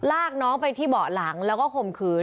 ลากน้องไปที่เบาะหลังแล้วก็ข่มขืน